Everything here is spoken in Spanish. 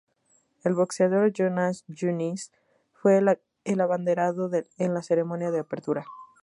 El boxeador Jonas Junius fue el abanderado en la ceremonia de apertura.